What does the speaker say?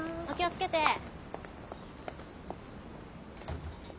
お気を付けて。